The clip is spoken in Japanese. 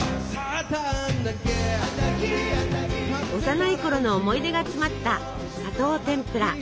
幼いころの思い出が詰まった「砂糖てんぷら」。